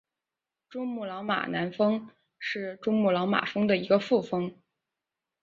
珠穆朗玛南峰是珠穆朗玛峰的一个副峰。